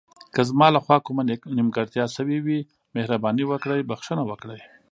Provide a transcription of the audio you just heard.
که زما له خوا کومه نیمګړتیا شوې وي، مهرباني وکړئ بښنه وکړئ.